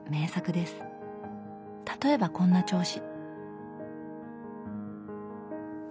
例えばこんな調子。